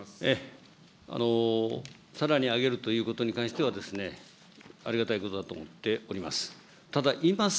さらに上げるということに関しては、ありがたいことだと思っております。